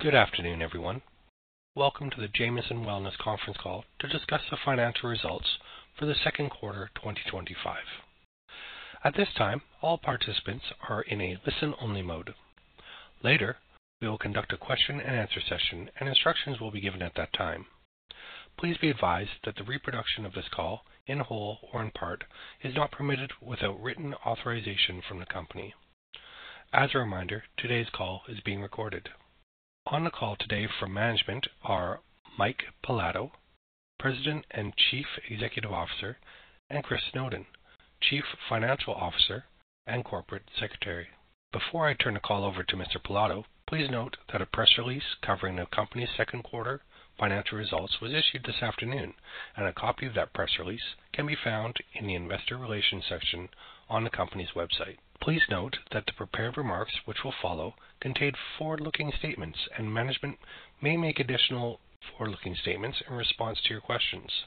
Good afternoon, everyone. Welcome to the Jamieson Wellness conference call to discuss the financial results for the second quarter 2025. At this time, all participants are in a listen-only mode. Later, we will conduct a question-and-answer session, and instructions will be given at that time. Please be advised that the reproduction of this call, in whole or in part, is not permitted without written authorization from the company. As a reminder, today's call is being recorded. On the call today for management are Mike Pilato, President and Chief Executive Officer, and Chris Snowden, Chief Financial Officer and Corporate Secretary. Before I turn the call over to Mr. Pilato, please note that a press release covering the company's second quarter financial results was issued this afternoon, and a copy of that press release can be found in the investor relations section on the company's website. Please note that the prepared remarks which will follow contain forward-looking statements, and management may make additional forward-looking statements in response to your questions.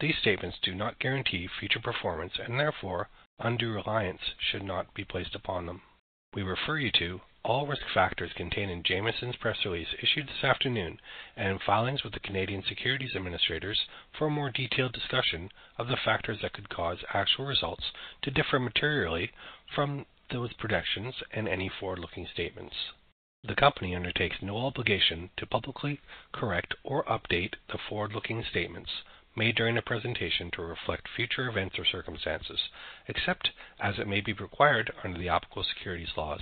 These statements do not guarantee future performance, and therefore, undue reliance should not be placed upon them. We refer you to all risk factors contained in Jamieson’s press release issued this afternoon and in filings with the Canadian securities administrators for a more detailed discussion of the factors that could cause actual results to differ materially from those predictions and any forward-looking statements. The company undertakes no obligation to publicly correct or update the forward-looking statements made during the presentation to reflect future events or circumstances, except as it may be required under the applicable securities laws.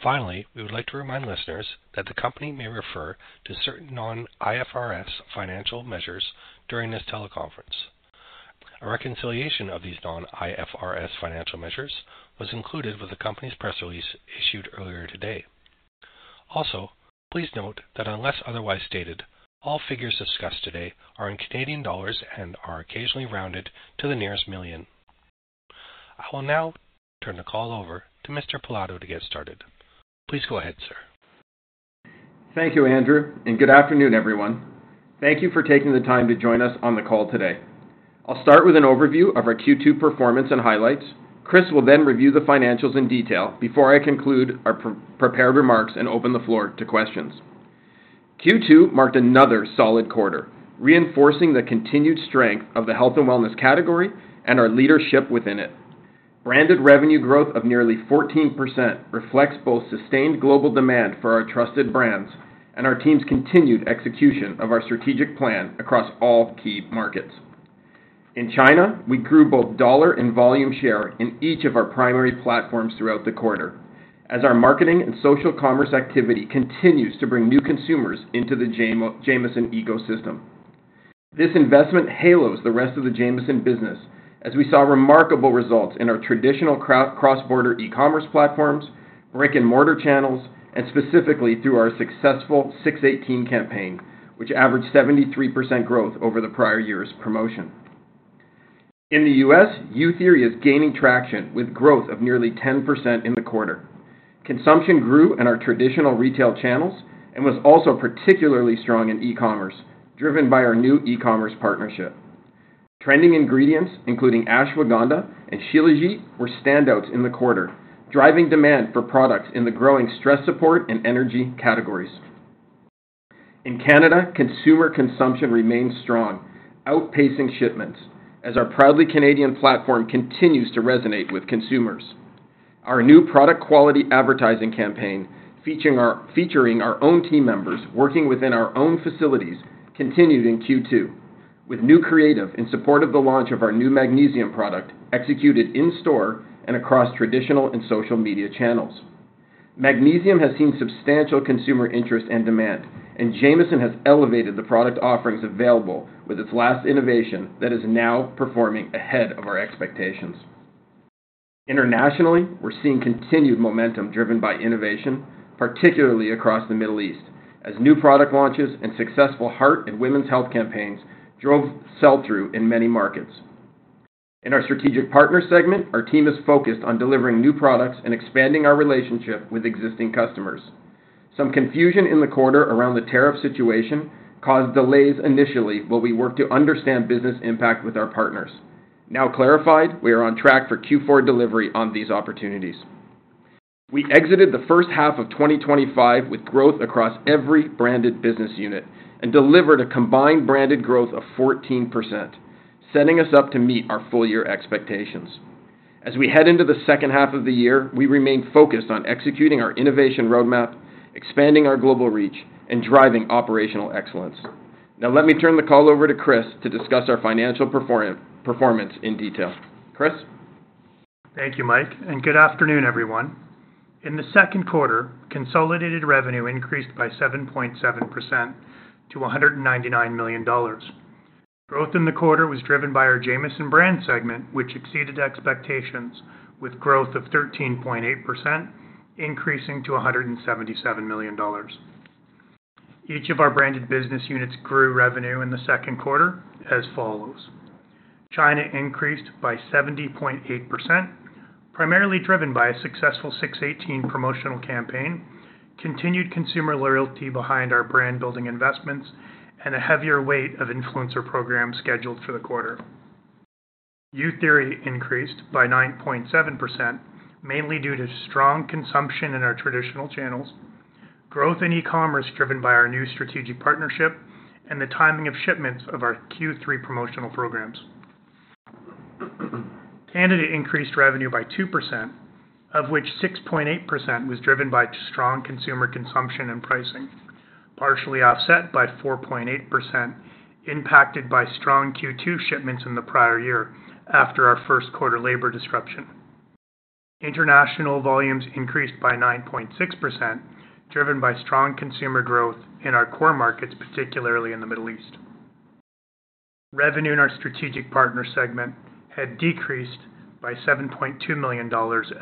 Finally, we would like to remind listeners that the company may refer to certain non-IFRS financial measures during this teleconference. A reconciliation of these non-IFRS financial measures was included with the company's press release issued earlier today. Also, please note that unless otherwise stated, all figures discussed today are in Canadian dollars and are occasionally rounded to the nearest million. I will now turn the call over to Mr. Pilato to get started. Please go ahead, sir. Thank you, Andrew, and good afternoon, everyone. Thank you for taking the time to join us on the call today. I'll start with an overview of our Q2 performance and highlights. Chris will then review the financials in detail before I conclude our prepared remarks and open the floor to questions. Q2 marked another solid quarter, reinforcing the continued strength of the Health and Wellness category and our leadership within it. Branded revenue growth of nearly 14% reflects both sustained global demand for our trusted brands and our team's continued execution of our strategic plan across all key markets. In China, we grew both dollar and volume share in each of our primary platforms throughout the quarter, as our marketing and social commerce activity continues to bring new consumers into the Jamieson ecosystem. This investment haloes the rest of the Jamieson business, as we saw remarkable results in our traditional cross-border e-commerce platforms, brick-and-mortar channels, and specifically through our successful 6/18 promotional event, which averaged 73% growth over the prior year's promotion. In the United States, youtheory is gaining traction with growth of nearly 10% in the quarter. Consumption grew in our traditional retail channels and was also particularly strong in e-commerce, driven by our new e-commerce partnership. Trending ingredients, including Ashwagandha and Shilajit, were standouts in the quarter, driving demand for products in the growing stress support and energy categories. In Canada, consumer consumption remains strong, outpacing shipments, as our proudly Canadian platform continues to resonate with consumers. Our new product quality advertising campaign, featuring our own team members working within our own facilities, continued in Q2, with new creative in support of the launch of our new Magnesium product executed in-store and across traditional and social media channels. Magnesium has seen substantial consumer interest and demand, and Jamieson has elevated the product offerings available with its latest innovation that is now performing ahead of our expectations. Internationally, we're seeing continued momentum driven by innovation, particularly across the Middle East, as new product launches and successful heart and women's health campaigns drove sell-through in many markets. In our strategic partner segment, our team is focused on delivering new products and expanding our relationship with existing customers. Some confusion in the quarter around the tariff situation caused delays initially while we worked to understand business impact with our partners. Now clarified, we are on track for Q4 delivery on these opportunities. We exited the first half of 2025 with growth across every branded business unit and delivered a combined branded growth of 14%, setting us up to meet our full-year expectations. As we head into the second half of the year, we remain focused on executing our innovation roadmap, expanding our global reach, and driving operational excellence. Now, let me turn the call over to Chris to discuss our financial performance in detail. Chris? Thank you, Mike, and good afternoon, everyone. In the second quarter, consolidated revenue increased by 7.7% to $199 million. Growth in the quarter was driven by our Jamieson brand segment, which exceeded expectations with growth of 13.8%, increasing to $177 million. Each of our branded business units grew revenue in the second quarter as follows – China increased by 70.8%, primarily driven by a successful 6/18 promotional campaign, continued consumer loyalty behind our brand-building investments, and a heavier weight of influencer programs scheduled for the quarter. Youtheory increased by 9.7%, mainly due to strong consumption in our traditional channels, growth in e-commerce driven by our new strategic partnership, and the timing of shipments of our Q3 promotional programs. Canada increased revenue by 2%, of which 6.8% was driven by strong consumer consumption and pricing, partially offset by 4.8% impacted by strong Q2 shipments in the prior year after our first quarter labor disruption. International volumes increased by 9.6%, driven by strong consumer growth in our core markets, particularly in the Middle East. Revenue in our strategic partner segment had decreased by $7.2 million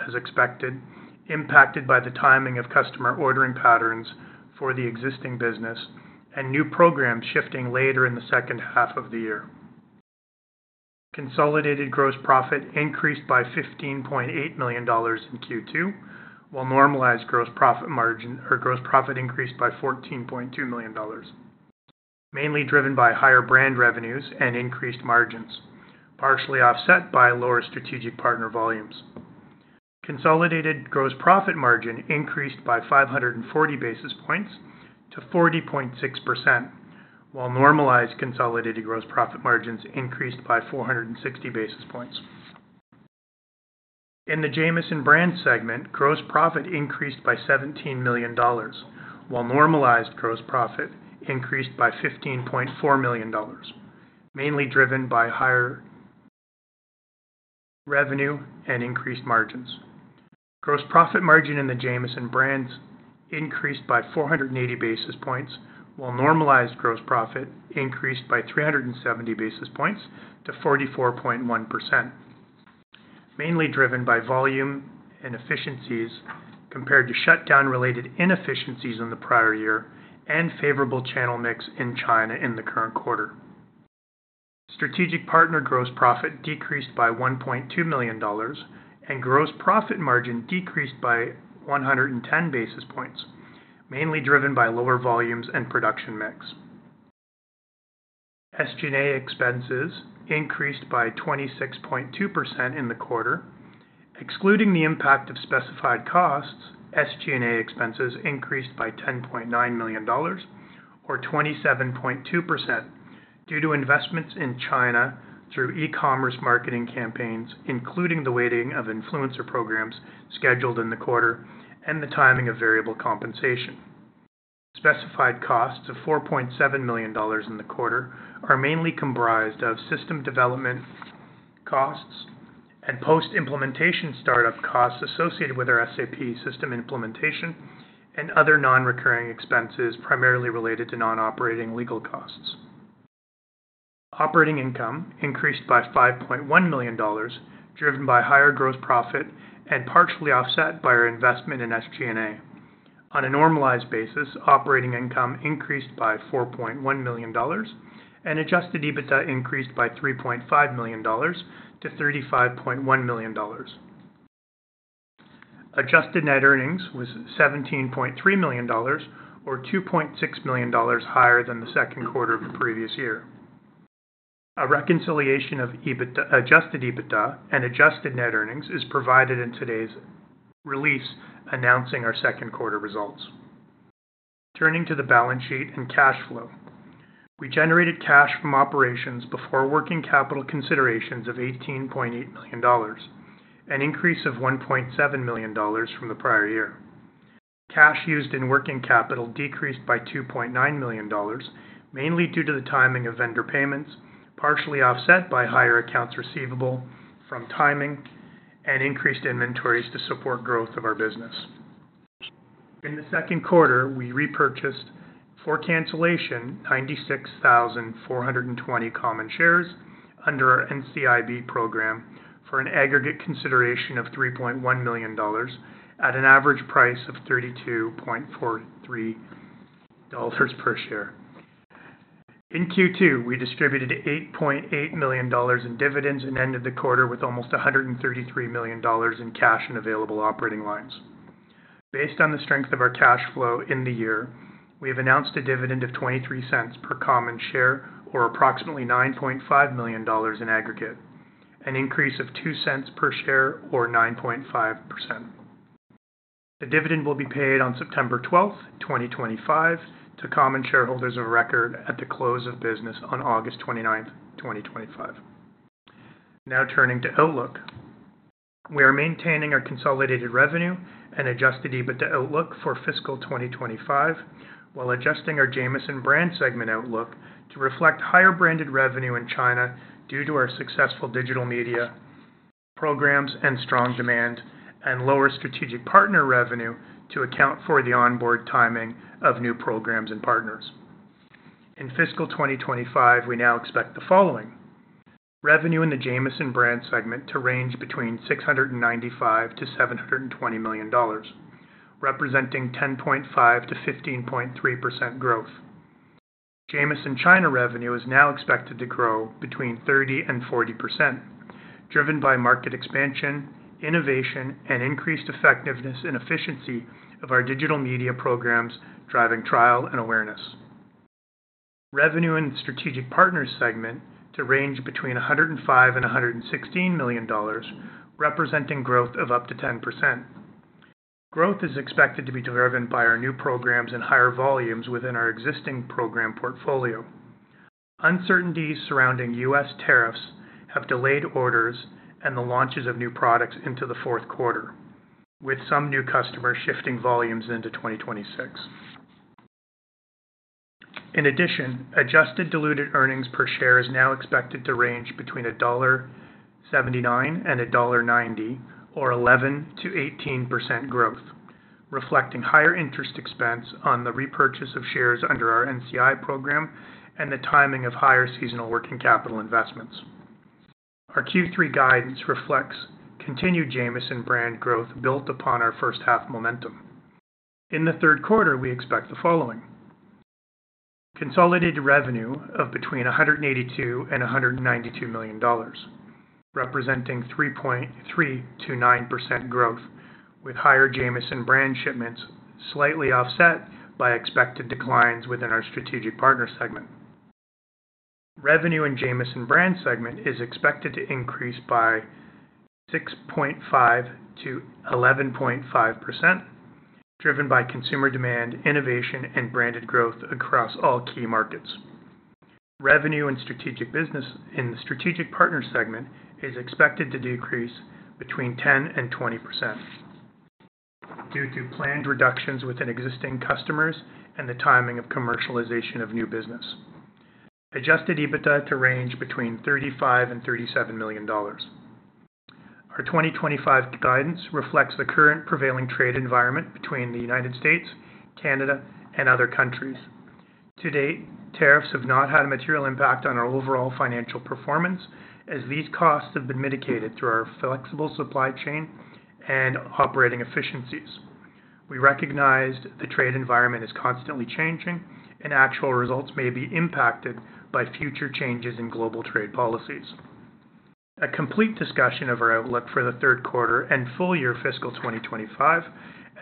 as expected, impacted by the timing of customer ordering patterns for the existing business and new programs shifting later in the second half of the year. Consolidated gross profit increased by $15.8 million in Q2, while normalized gross profit increased by $14.2 million, mainly driven by higher brand revenues and increased margins, partially offset by lower strategic partner volumes. Consolidated gross profit margin increased by 540 basis points to 40.6%, while normalized consolidated gross profit margins increased by 460 basis points. In the Jamieson brand segment, gross profit increased by $17 million, while normalized gross profit increased by $15.4 million, mainly driven by higher revenue and increased margins. Gross profit margin in the Jamieson brand increased by 480 basis points, while normalized gross profit increased by 370 basis points to 44.1%, mainly driven by volume efficiencies compared to shutdown-related inefficiencies in the prior year and favorable channel mix in China in the current quarter. Strategic partner gross profit decreased by $1.2 million, and gross profit margin decreased by 110 basis points, mainly driven by lower volumes and production mix. SG&A expenses increased by 26.2% in the quarter. Excluding the impact of specified costs, SG&A expenses increased by $10.9 million, or 27.2%, due to investments in China through e-commerce marketing campaigns, including the weighting of influencer programs scheduled in the quarter and the timing of variable compensation. Specified costs of $4.7 million in the quarter are mainly comprised of system development costs and post-implementation startup costs associated with our SAP system implementation and other non-recurring expenses primarily related to non-operating legal costs. Operating income increased by $5.1 million, driven by higher gross profit and partially offset by our investment in SG&A. On a normalized basis, operating income increased by $4.1 million and adjusted EBITDA increased by $3.5 million-$35.1 million. Adjusted net earnings were $17.3 million, or $2.6 million higher than the second quarter of the previous year. A reconciliation of adjusted EBITDA and adjusted net earnings is provided in today's release announcing our second quarter results. Turning to the balance sheet and cash flow, we generated cash from operations before working capital considerations of $18.8 million, an increase of $1.7 million from the prior year. Cash used in working capital decreased by $2.9 million, mainly due to the timing of vendor payments, partially offset by higher accounts receivable from timing and increased inventories to support growth of our business. In the second quarter, we repurchased for cancellation 96,420 common shares under our NCIB program for an aggregate consideration of $3.1 million at an average price of $32.43 per share. In Q2, we distributed $8.8 million in dividends and ended the quarter with almost $133 million in cash and available operating lines. Based on the strength of our cash flow in the year, we have announced a dividend of $0.23 per common share, or approximately $9.5 million in aggregate, an increase of $0.02 per share, or 9.5%. The dividend will be paid on September 12, 2025, to common shareholders of record at the close of business on August 29, 2025. Now turning to outlook, we are maintaining our consolidated revenue and adjusted EBITDA outlook for fiscal 2025 while adjusting our Jamieson brand segment outlook to reflect higher branded revenue in China due to our successful digital media programs and strong demand and lower strategic partner revenue to account for the onboarding timing of new programs and partners. In fiscal 2025, we now expect the following: revenue in the Jamieson brand segment to range between $695 million-$720 million, representing 10.5%-15.3% growth. Jamieson China revenue is now expected to grow between 30% and 40%, driven by market expansion, innovation, and increased effectiveness and efficiency of our digital media programs, driving trial and awareness. Revenue in the strategic partner segment to range between $105 million and $116 million, representing growth of up to 10%. Growth is expected to be driven by our new programs and higher volumes within our existing program portfolio. Uncertainties surrounding U.S. tariffs have delayed orders and the launches of new products into the fourth quarter, with some new customers shifting volumes into 2026. In addition, adjusted diluted earnings per share is now expected to range between $1.79 and $1.90, or 11%-18% growth, reflecting higher interest expense on the repurchase of shares under our NCI program and the timing of higher seasonal working capital investments. Our Q3 guidance reflects continued Jamieson brand growth built upon our first half momentum. In the third quarter, we expect the following – consolidated revenue of between $182 million and $192 million, representing 3.3%-9% growth, with higher Jamieson brand shipments slightly offset by expected declines within our strategic partner segment. Revenue in Jamieson brand segment is expected to increase by 6.5%-11.5%, driven by consumer demand, innovation, and branded growth across all key markets. Revenue in the strategic partner segment is expected to decrease between 10% and 20% due to planned reductions within existing customers and the timing of commercialization of new business. Adjusted EBITDA to range between $35 million and $37 million. Our 2025 guidance reflects the current prevailing trade environment between the United States, Canada, and other countries. To date, tariffs have not had a material impact on our overall financial performance, as these costs have been mitigated through our flexible supply chain and operating efficiencies. We recognize the trade environment is constantly changing, and actual results may be impacted by future changes in global trade policies. A complete discussion of our outlook for the third quarter and full-year fiscal 2025,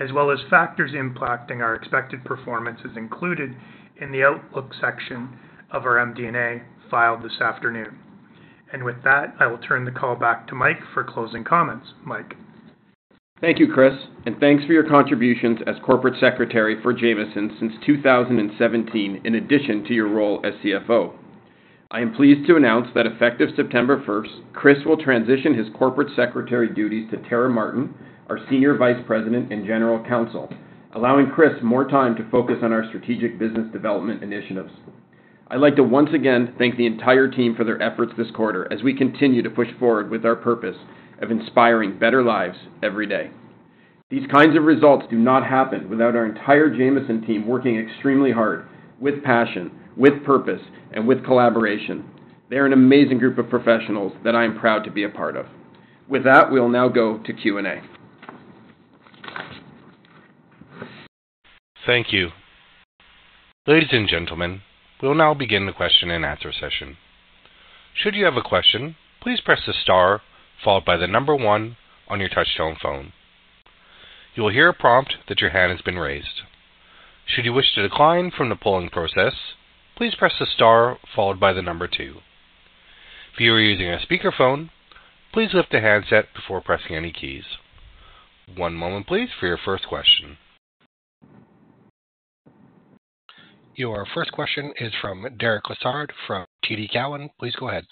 as well as factors impacting our expected performance, is included in the outlook section of our MD&A filed this afternoon. With that, I will turn the call back to Mike for closing comments. Mike. Thank you, Chris, and thanks for your contributions as Corporate Secretary for Jamieson since 2017, in addition to your role as CFO. I am pleased to announce that effective September 1st, Chris will transition his Corporate Secretary duties to Tara Martin, our Senior Vice President and General Counsel, allowing Chris more time to focus on our strategic business development initiatives. I'd like to once again thank the entire team for their efforts this quarter as we continue to push forward with our purpose of inspiring better lives every day. These kinds of results do not happen without our entire Jamieson team working extremely hard, with passion, with purpose, and with collaboration. They are an amazing group of professionals that I am proud to be a part of. With that, we will now go to Q&A. Thank you. Ladies and gentlemen, we'll now begin the question-and-answer session. Should you have a question, please press the star followed by the number one on your touch-tone phone. You will hear a prompt that your hand has been raised. Should you wish to decline from the polling process, please press the star followed by the number two. If you are using a speakerphone, please lift the handset before pressing any keys. One moment, please, for your first question. Your first question is from Derek Lessard from TD Cowen. Please go ahead.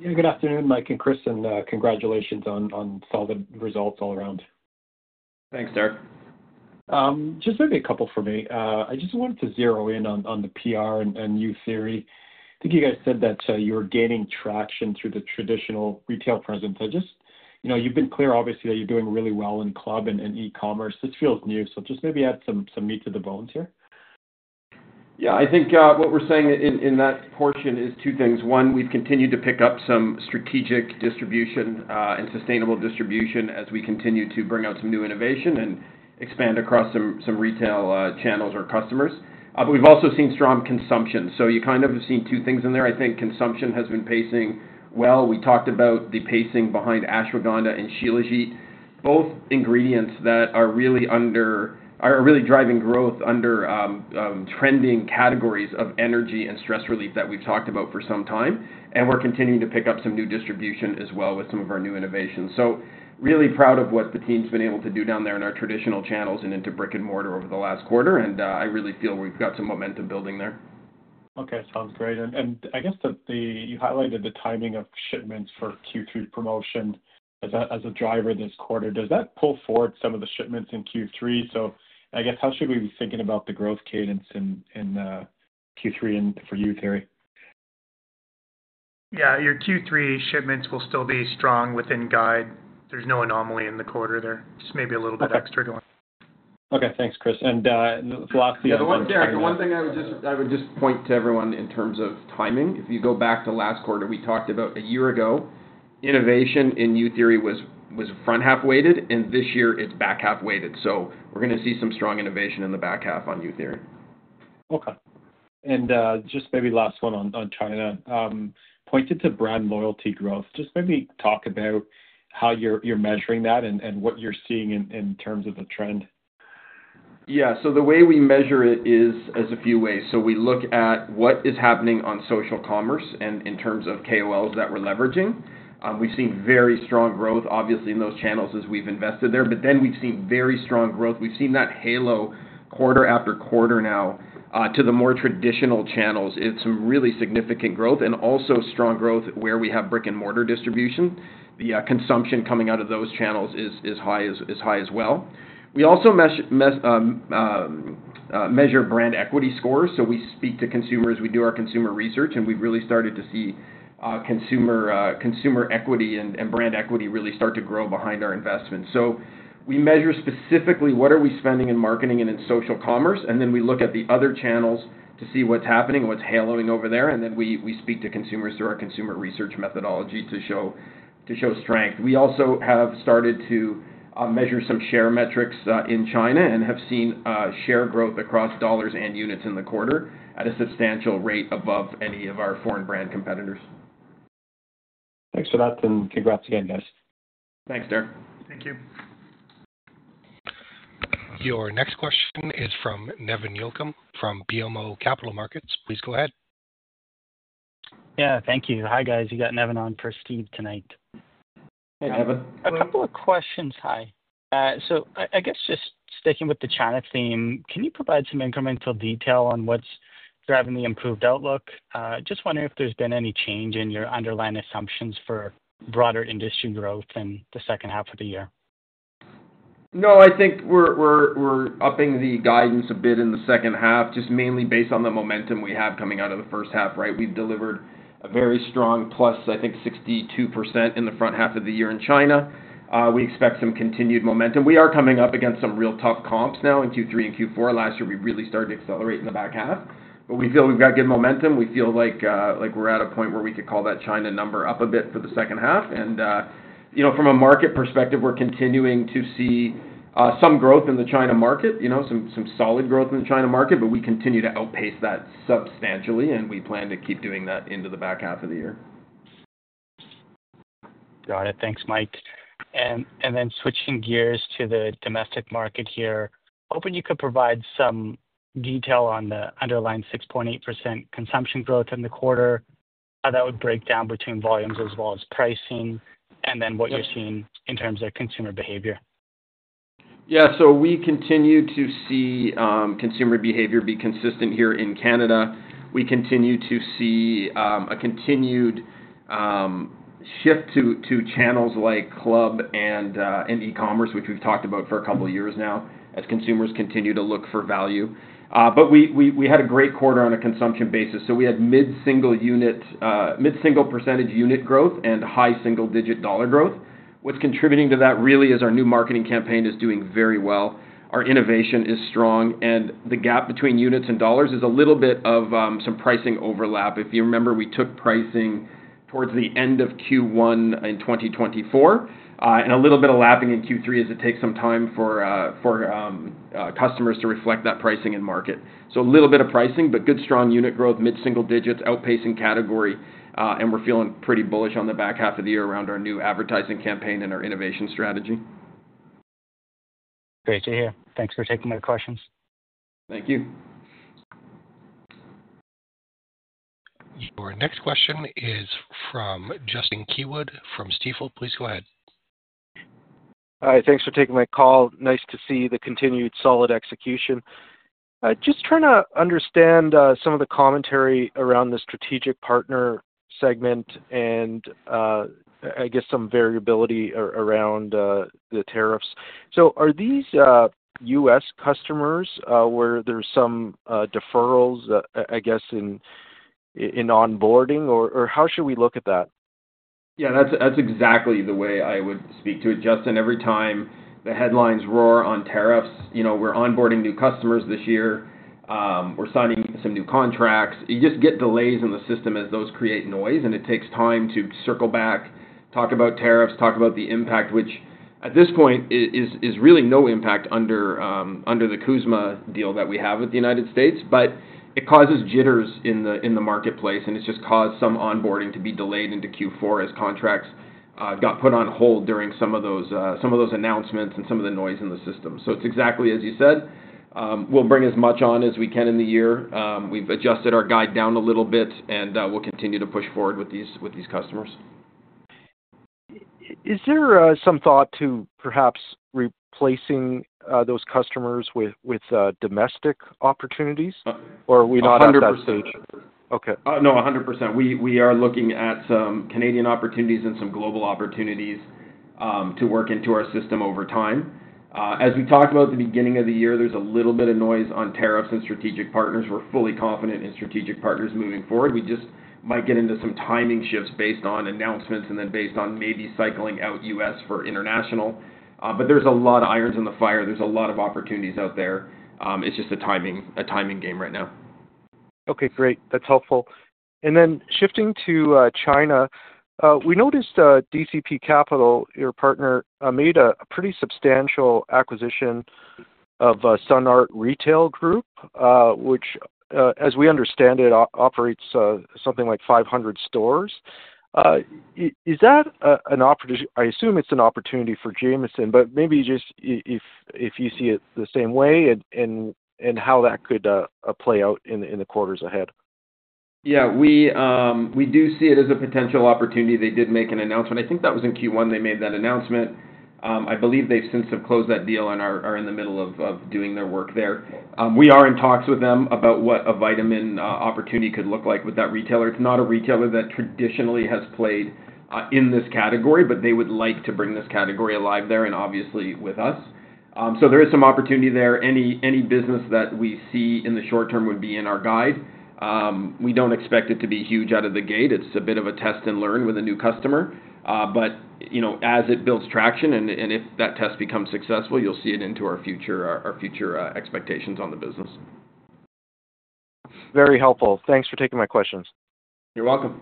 Yeah, good afternoon, Mike and Chris, and congratulations on solid results all around. Thanks, Derek. Just maybe a couple for me. I just wanted to zero in on the PR and youtheory. I think you guys said that you were gaining traction through the traditional retail presence. You've been clear, obviously, that you're doing really well in the club and e-commerce. This feels new, so just maybe add some meat to the bones here. Yeah, I think what we're saying in that portion is two things. One, we've continued to pick up some strategic distribution and sustainable distribution as we continue to bring out some new innovation and expand across some retail channels or customers. We've also seen strong consumption. You kind of have seen two things in there. I think consumption has been pacing well. We talked about the pacing behind Ashwagandha and Shilajit, both ingredients that are really driving growth under trending categories of energy and stress relief that we've talked about for some time. We're continuing to pick up some new distribution as well with some of our new innovations. I'm really proud of what the team's been able to do down there in our traditional channels and into brick-and-mortar over the last quarter. I really feel we've got some momentum building there. Okay, sounds great. I guess that you highlighted the timing of shipments for Q3 promotion as a driver this quarter. Does that pull forward some of the shipments in Q3? I guess how should we be thinking about the growth cadence in Q3 for youtheory? Yeah, your Q3 shipments will still be strong within guide. There's no anomaly in the quarter there, just maybe a little bit extra going. Okay, thanks, Chris. The philosophy of the quarter? The one thing I would just point to everyone in terms of timing, if you go back to last quarter, we talked about a year ago, innovation in youtheory was front half weighted, and this year it's back half weighted. We're going to see some strong innovation in the back half on youtheory. Okay. Just maybe last one on China. Pointed to brand loyalty growth. Just maybe talk about how you're measuring that and what you're seeing in terms of the trend. Yeah, the way we measure it is a few ways. We look at what is happening on social commerce and in terms of KOLs that we're leveraging. We've seen very strong growth, obviously, in those channels as we've invested there. We've seen that halo quarter after quarter now to the more traditional channels. It's some really significant growth and also strong growth where we have brick-and-mortar distribution. The consumption coming out of those channels is high as well. We also measure brand equity scores. We speak to consumers, we do our consumer research, and we've really started to see consumer equity and brand equity really start to grow behind our investments. We measure specifically what are we spending in marketing and in social commerce, and then we look at the other channels to see what's happening, what's haloing over there. We speak to consumers through our consumer research methodology to show strength. We also have started to measure some share metrics in China and have seen share growth across dollars and units in the quarter at a substantial rate above any of our foreign brand competitors. Thanks for that, and congrats again, guys. Thanks, Derek. Thank you. Your next question is from Nevin Yochum from BMO Capital Markets. Please go ahead. Yeah, thank you. Hi guys, you got Nevin on for Steve tonight. Hey Nevin. A couple of questions, hi. I guess just sticking with the China theme, can you provide some incremental detail on what's driving the improved outlook? Just wondering if there's been any change in your underlying assumptions for broader industry growth in the second half of the year. No, I think we're upping the guidance a bit in the second half, just mainly based on the momentum we have coming out of the first half, right? We've delivered a very strong plus, I think 62% in the front half of the year in China. We expect some continued momentum. We are coming up against some real tough comps now in Q3 and Q4. Last year, we really started to accelerate in the back half. We feel we've got good momentum. We feel like we're at a point where we could call that China number up a bit for the second half. From a market perspective, we're continuing to see some growth in the China market, some solid growth in the China market, but we continue to outpace that substantially, and we plan to keep doing that into the back half of the year. Got it, thanks Mike. Switching gears to the domestic market here, hoping you could provide some detail on the underlying 6.8% consumption growth in the quarter that would break down between volumes as well as pricing, and then what you're seeing in terms of consumer behavior. Yeah, we continue to see consumer behavior be consistent here in Canada. We continue to see a continued shift to channels like club and e-commerce, which we've talked about for a couple of years now as consumers continue to look for value. We had a great quarter on a consumption basis. We had mid-single percentage unit growth and high single-digit dollar growth. What's contributing to that really is our new marketing campaign is doing very well. Our innovation is strong, and the gap between units and dollars is a little bit of some pricing overlap. If you remember, we took pricing towards the end of Q1 in 2024 and a little bit of lapping in Q3 as it takes some time for customers to reflect that pricing in market. A little bit of pricing, but good strong unit growth, mid-single digits, outpacing category, and we're feeling pretty bullish on the back half of the year around our new advertising campaign and our innovation strategy. Great to hear. Thanks for taking my questions. Thank you. Your next question is from Justin Keywood from Stifel. Please go ahead. Hi, thanks for taking my call. Nice to see the continued solid execution. Just trying to understand some of the commentary around the strategic partner segment, and I guess some variability around the tariffs. Are these U.S. customers where there's some deferrals, I guess, in onboarding, or how should we look at that? Yeah, that's exactly the way I would speak to it, Justin. Every time the headlines roar on tariffs, you know, we're onboarding new customers this year, we're signing some new contracts. You just get delays in the system as those create noise, and it takes time to circle back, talk about tariffs, talk about the impact, which at this point is really no impact under the Kuzma deal that we have with the United States, but it causes jitters in the marketplace, and it's just caused some onboarding to be delayed into Q4 as contracts got put on hold during some of those announcements and some of the noise in the system. It's exactly as you said. We'll bring as much on as we can in the year. We've adjusted our guide down a little bit, and we'll continue to push forward with these customers. Is there some thought to perhaps replacing those customers with domestic opportunities, or are we not 100% sure? No, 100%. We are looking at some Canadian opportunities and some global opportunities to work into our system over time. As we talk about the beginning of the year, there's a little bit of noise on tariffs and strategic partners. We're fully confident in strategic partners moving forward. We just might get into some timing shifts based on announcements and then based on maybe cycling out U.S. for international. There are a lot of irons in the fire. There are a lot of opportunities out there. It's just a timing game right now. Okay, great. That's helpful. Shifting to China, we noticed DCP Capital, your partner, made a pretty substantial acquisition of Sun Art Retail Group, which as we understand it operates something like 500 stores. Is that an opportunity? I assume it's an opportunity for Jamieson, but maybe just if you see it the same way and how that could play out in the quarters ahead. Yeah, we do see it as a potential opportunity. They did make an announcement. I think that was in Q1. They made that announcement. I believe they've since closed that deal and are in the middle of doing their work there. We are in talks with them about what a vitamin opportunity could look like with that retailer. It's not a retailer that traditionally has played in this category, but they would like to bring this category alive there, obviously with us. There is some opportunity there. Any business that we see in the short term would be in our guide. We don't expect it to be huge out of the gate. It's a bit of a test and learn with a new customer. As it builds traction and if that test becomes successful, you'll see it into our future expectations on the business. Very helpful. Thanks for taking my questions. You're welcome.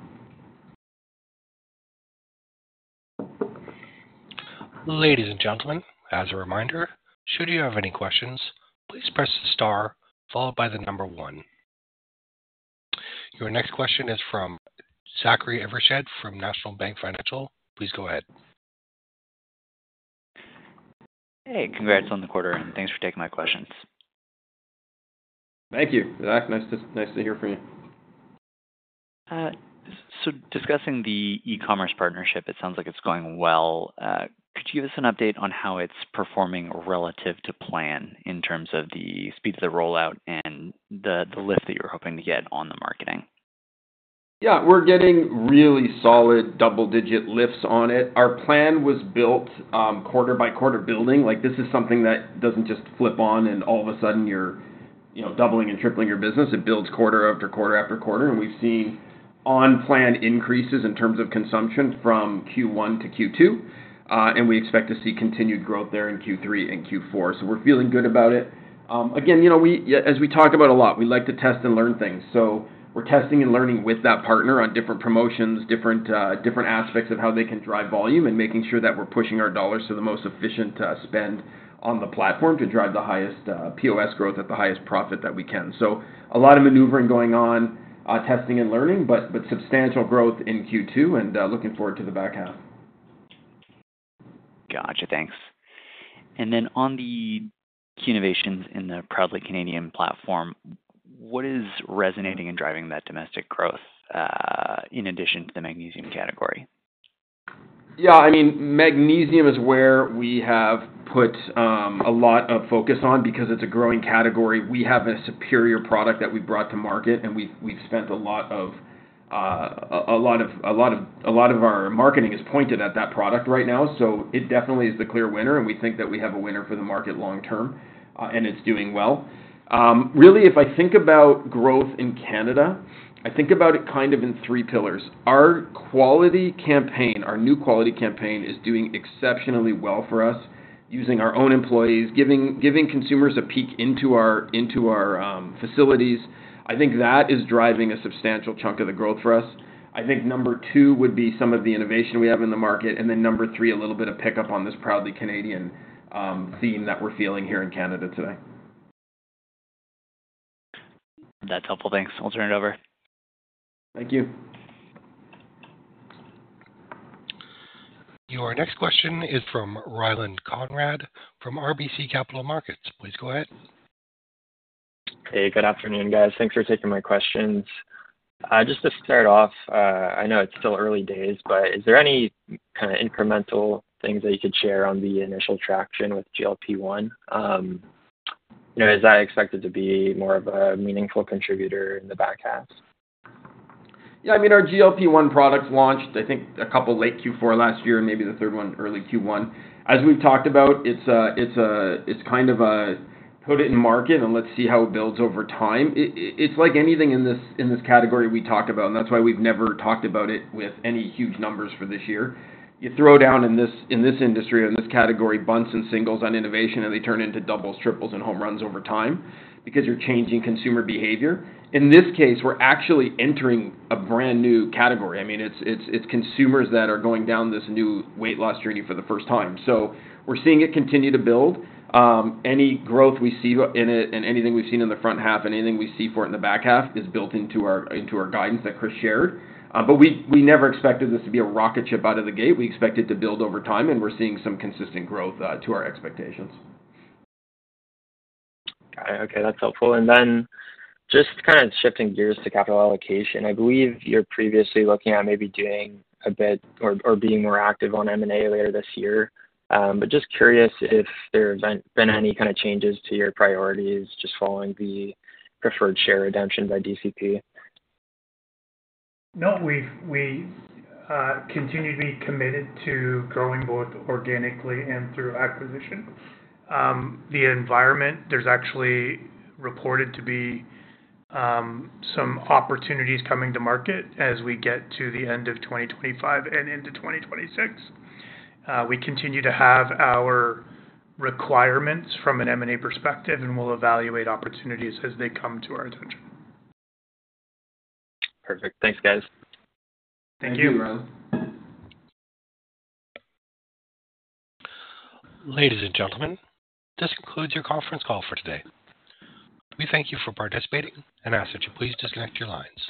Ladies and gentlemen, as a reminder, should you have any questions, please press the star followed by the number one. Your next question is from Zachary Evershed from National Bank Financial. Please go ahead. Hey, congrats on the quarter and thanks for taking my questions. Thank you, Zach. Nice to hear from you. Discussing the e-commerce partnership, it sounds like it's going well. Could you give us an update on how it's performing relative to plan in terms of the speed of the rollout and the lift that you're hoping to get on the marketing? Yeah, we're getting really solid double-digit lifts on it. Our plan was built quarter by quarter building. This is something that doesn't just flip on and all of a sudden you're doubling and tripling your business. It builds quarter after quarter after quarter. We've seen on-plan increases in terms of consumption from Q1-Q2, and we expect to see continued growth there in Q3 and Q4. We're feeling good about it. As we talk about a lot, we like to test and learn things. We're testing and learning with that partner on different promotions, different aspects of how they can drive volume, and making sure that we're pushing our dollars to the most efficient spend on the platform to drive the highest POS growth at the highest profit that we can. A lot of maneuvering going on, testing and learning, but substantial growth in Q2 and looking forward to the back half. Gotcha, thanks. On the key innovations in the Proudly Canadian platform, what is resonating and driving that domestic growth in addition to the magnesium category? Yeah, I mean, magnesium is where we have put a lot of focus on because it's a growing category. We have a superior product that we brought to market, and we've spent a lot of, a lot of our marketing is pointed at that product right now. It definitely is the clear winner, and we think that we have a winner for the market long term, and it's doing well. Really, if I think about growth in Canada, I think about it kind of in three pillars. Our quality campaign, our new quality campaign, is doing exceptionally well for us, using our own employees, giving consumers a peek into our facilities. I think that is driving a substantial chunk of the growth for us. Number two would be some of the innovation we have in the market, and then number three, a little bit of pickup on this Proudly Canadian theme that we're feeling here in Canada today. That's helpful, thanks. I'll turn it over. Thank you. Your next question is from Rylan Conrad from RBC Capital Markets. Please go ahead. Hey, good afternoon guys. Thanks for taking my questions. Just to start off, I know it's still early days, but is there any kind of incremental things that you could share on the initial traction with GLP-1? Is that expected to be more of a meaningful contributor in the back half? Yeah, I mean, our GLP-1 products launched, I think, a couple late Q4 last year, maybe the third one early Q1. As we've talked about, it's kind of a put it in market and let's see how it builds over time. It's like anything in this category we talk about, and that's why we've never talked about it with any huge numbers for this year. You throw down in this industry or in this category bunts and singles on innovation, and they turn into doubles, triples, and home runs over time because you're changing consumer behavior. In this case, we're actually entering a brand new category. I mean, it's consumers that are going down this new weight loss journey for the first time. We're seeing it continue to build. Any growth we see in it and anything we've seen in the front half and anything we see for it in the back half is built into our guidance that Chris shared. We never expected this to be a rocket ship out of the gate. We expect it to build over time, and we're seeing some consistent growth to our expectations. Okay, that's helpful. Just kind of shifting gears to capital allocation, I believe you were previously looking at maybe doing a bit or being more active on M&A later this year. Just curious if there have been any kind of changes to your priorities just following the preferred share redemption by DCP. No, we've continued to be committed to growing both organically and through acquisition. The environment, there's actually reported to be some opportunities coming to market as we get to the end of 2025 and into 2026. We continue to have our requirements from an M&A perspective, and we'll evaluate opportunities as they come to our attention. Perfect. Thanks, guys. Thank you. Ladies and gentlemen, this concludes your conference call for today. We thank you for participating and ask that you please disconnect your lines.